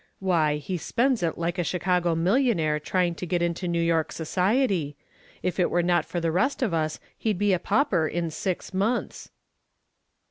"Why, he spends it like a Chicago millionaire trying to get into New York society. If it were not for the rest of us he'd be a pauper in six months."